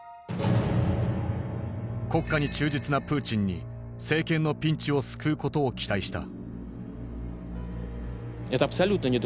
国家に忠実なプーチンに政権のピンチを救うことを期待した。